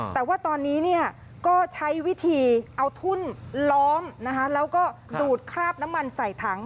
แต่ว่าตอนนี้ก็ใช้วิธีเอาทุ่นล้อมแล้วก็ดูดคราบน้ำมันใส่ถัง